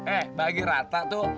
eh bagi rata tuh